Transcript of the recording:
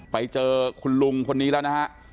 ไปเจอคุณลุงคนนี้แล้วนะฮะ